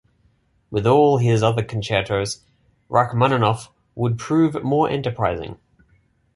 With all his other concertos, Rachmaninoff would prove more enterprising.